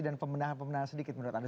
dan pemenahan pemenahan sedikit menurut anda